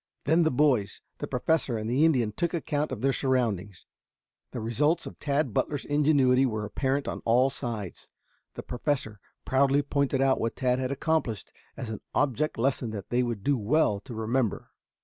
Then the boys, the Professor and the Indian took account of their surroundings. The results of Tad Butler's ingenuity were apparent on all sides. The Professor proudly pointed out what Tad had accomplished as an object lesson that they would do well to remember.